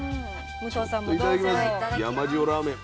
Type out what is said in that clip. ちょっといただきます山塩ラーメン。